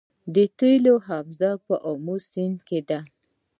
د تیلو حوزه په امو سیند کې ده